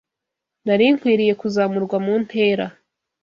Nari nkwiriye kuzamurwa mu ntera.